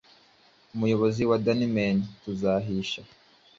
Umuyobozi wa Danemen Tuzahisha